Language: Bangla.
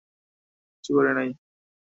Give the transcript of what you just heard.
আরে কিছুই করি নাই।